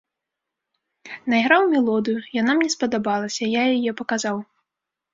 Найграў мелодыю, яна мне спадабалася, я яе паказаў.